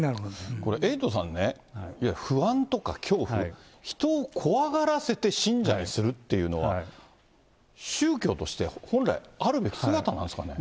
これ、エイトさんね、いわゆる不安とか恐怖、人を怖がらせて信者にするというのは、宗教として、本来、あるべき姿なんですかね。